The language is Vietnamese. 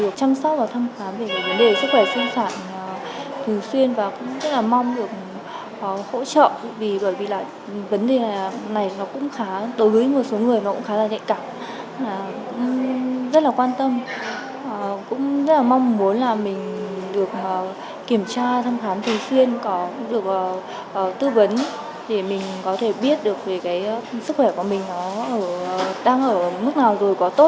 có thể biết được về sức khỏe của mình đang ở mức nào rồi có tốt hay không